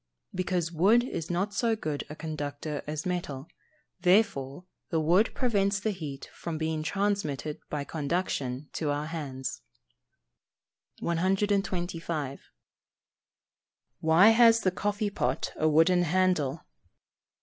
_ Because wood is not so good a conductor as metal, therefore the wood prevents the heat from being transmitted by conduction to our hands. 125. _Why has the coffee pot a wooden handle?